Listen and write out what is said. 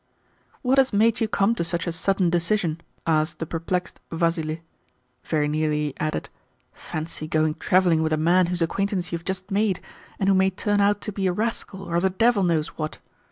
"What has made you come to such a sudden decision?" asked the perplexed Vassili (very nearly he added: "Fancy going travelling with a man whose acquaintance you have just made, and who may turn out to be a rascal or the devil knows what!"